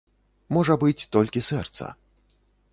Можа быць, толькі сэрца.